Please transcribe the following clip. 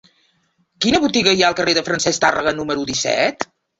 Quina botiga hi ha al carrer de Francesc Tàrrega número disset?